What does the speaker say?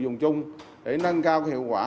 dùng chung để nâng cao hiệu quả